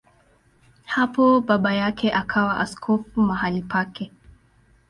Hapo baba yake akawa askofu mahali pake.